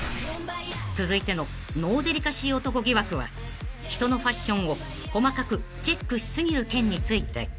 ［続いてのノーデリカシー男疑惑は人のファッションを細かくチェックし過ぎる件について］